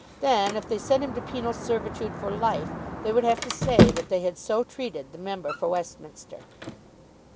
Then if they sent him to penal servitude for life, they would have to say that they had so treated the member for Westminster!